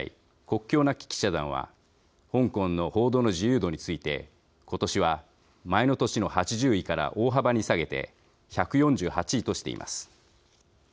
国境なき記者団は香港の報道の自由度についてことしは、前の年の８０位から大幅に下げて１４８位としています。